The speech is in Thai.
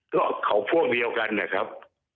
ก็เขาพวกเดียวกันนะครับ